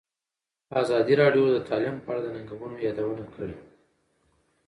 ازادي راډیو د تعلیم په اړه د ننګونو یادونه کړې.